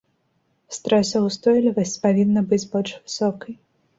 Стрэсаўстойлівасць павінна быць больш высокай.